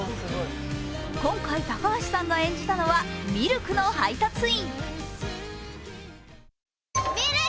今回、高橋さんが演じたのはミルクの配達員。